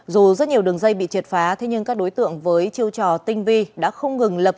dù rất nhiều đường dây bị triệt phá thế nhưng các đối tượng với chiêu trò tinh vi đã không ngừng lập